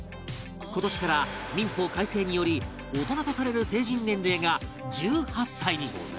今年から民法改正により大人とされる成人年齢が１８歳に